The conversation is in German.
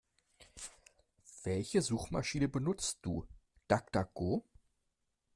Welche Suchmaschiene benutzt du? DuckDuckGo?